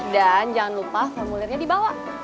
dan jangan lupa formulirnya di bawah